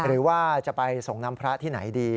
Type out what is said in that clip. หรือว่าจะไปส่งน้ำพระที่ไหนดี